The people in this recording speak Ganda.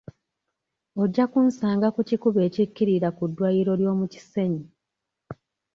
Ojja kunsanga ku kikubo ekikkirira ku ddwaliro ly'omu Kisenyi.